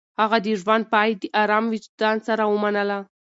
هغه د ژوند پاى د ارام وجدان سره ومنله.